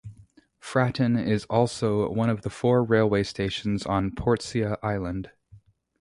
Fratton is also one of the four railway stations on Portsea Island.